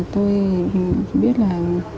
tôi biết là